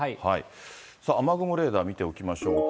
さあ、雨雲レーダー見ておきましょうか。